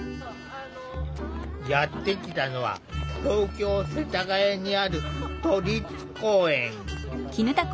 やって来たのは東京・世田谷にある都立公園。